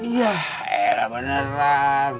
iya eh lah beneran